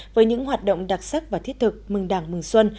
với những hoạt động đặc sắc và thiết thực mừng đảng mừng xuân